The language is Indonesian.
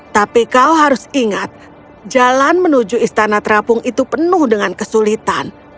tapi kau harus ingat jalan menuju istana terapung itu penuh dengan kesulitan